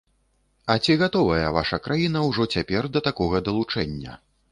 А ці гатовая ваша краіна ўжо цяпер да такога далучэння?